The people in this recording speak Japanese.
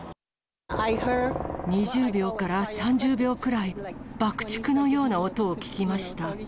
２０秒から３０秒くらい、爆竹のような音を聞きました。